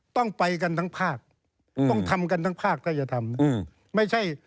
ต้องไปกันทั้งภาคต้องทำกันทั้งภาคถ้าจะทำไม่ใช่